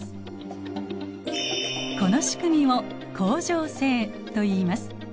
この仕組みを恒常性といいます。